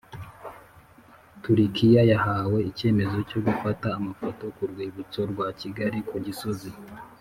Turikiya yahawe icyemezo cyo gufata amafoto ku rwibutso rwa Kigali ku Gisozi